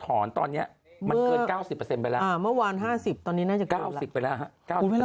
ถอนตอนนี้มันเกิน๙๐ก็เสมอวัน๕๐ตอนนี้ทำจาก๙๐ไปแล้ว